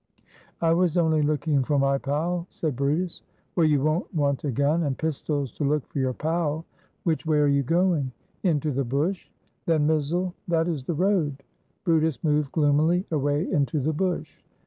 "I was only looking for my pal," said brutus. "Well, you won't want a gun and pistols to look for your pal. Which way are you going?" "Into the bush." "Then mizzle! That is the road." brutus moved gloomily away into the bush.